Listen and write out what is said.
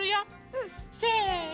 うん！せの！